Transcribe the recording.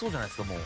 もう。